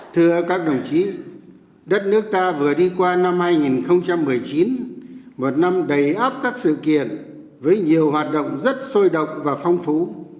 thưa các đồng chí đất nước ta vừa đi qua năm hai nghìn một mươi chín một năm đầy áp các sự kiện với nhiều hoạt động rất sôi động và phong phú